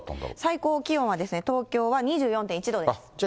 最高気温は東京は２４．１度です。